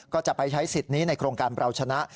ก็จะไปใช้สิทธิ์นี้ในโครงการเปล่าชนะ